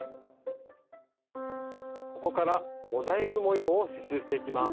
ここからモザイク模様を刺しゅうしていきます。